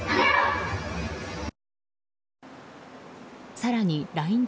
更にＬＩＮＥ